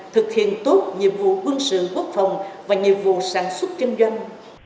thực hiện tốt nhiệm vụ quân sự quốc phòng và nhiệm vụ sản xuất kinh doanh